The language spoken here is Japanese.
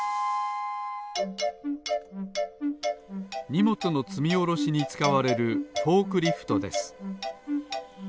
にもつのつみおろしにつかわれるフォークリフトです。